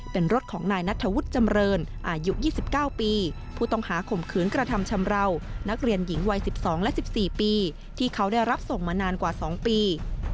เป็นรถของนายนัทธวุฒิจำเรินอายุ๒๙ปีผู้ต้องหาข่มขืนกระทำชำราวนักเรียนหญิงวัย๑๒และ๑๔ปีที่เขาได้รับส่งมานานกว่า๒ปี